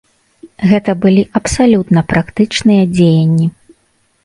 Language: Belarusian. Гэта былі абсалютна практычныя дзеянні.